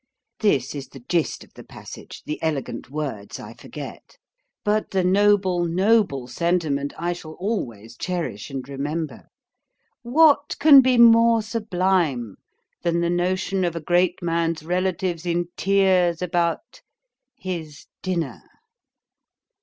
This is the gist of the passage the elegant words I forget. But the noble, noble sentiment I shall always cherish and remember. What can be more sublime than the notion of a great man's relatives in tears about his dinner?